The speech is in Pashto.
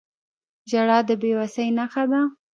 • ژړا د بې وسۍ نښه ده.